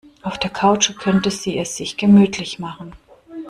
Auf der Couch könnte sie es sich gemütlich machen.